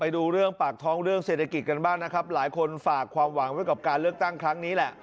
ดูเรื่องปากท้องเรื่องเศรษฐกิจกันบ้างนะครับหลายคนฝากความหวังไว้กับการเลือกตั้งครั้งนี้แหละ